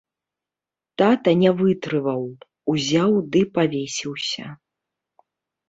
Тата не вытрываў, узяў ды павесіўся.